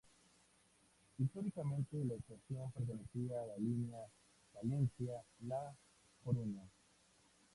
Históricamente la estación pertenecía a la línea Palencia-La Coruña.